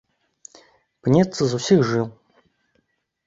Пнецца з усіх жыл.